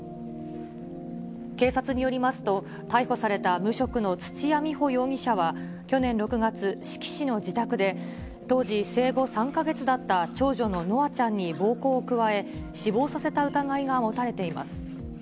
警察によりますと、逮捕された無職の土屋美保容疑者は、去年６月、志木市の自宅で、当時生後３か月だった長女の夢空ちゃんに暴行を加え、死亡させた疑いが持たれています。